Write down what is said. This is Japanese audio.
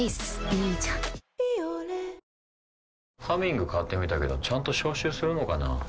「ビオレ」「ハミング」買ってみたけどちゃんと消臭するのかな？